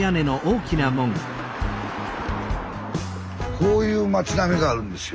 こういう町並みがあるんですよ。